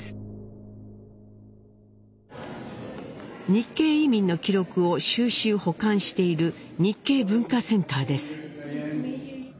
日系移民の記録を収集・保管している日系文化センターです。